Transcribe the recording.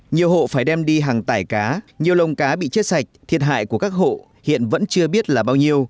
nhiều hộ phải đem đi hàng tải cá nhiều lồng cá bị chết sạch thiệt hại của các hộ hiện vẫn chưa biết là bao nhiêu